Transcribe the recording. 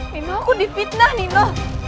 nino aku dipitnah nino